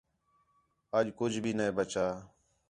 اَڄ کُج بھی نے ٻچّا